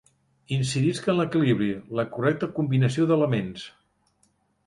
Incidisc en l'equilibri, la correcta combinació d'elements.